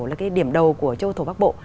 là cái điểm đầu của châu thổ bắc bộ